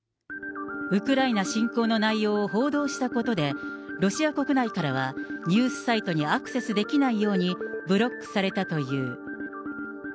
ウクライナ侵攻の内容を報道したことで、ロシア国内からはニュースサイトにアクセスできないように、ブロックされたという。